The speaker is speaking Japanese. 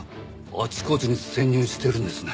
あちこちに潜入してるんですね。